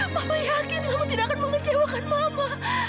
mama yakin kamu tidak akan mengecewakan mama